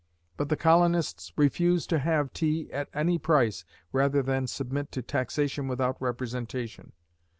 But the colonists refused to have tea at any price rather than submit to "taxation without representation."